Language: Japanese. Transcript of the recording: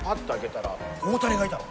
大谷がいたの。